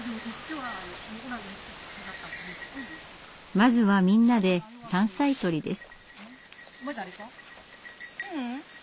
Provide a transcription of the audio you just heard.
まずはみんなで山菜採りです。